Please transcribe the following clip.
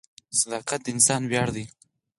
• صداقت د انسان ویاړ دی.